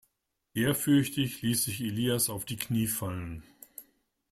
Ehrfürchtig ließ sich Elias auf die Knie fallen.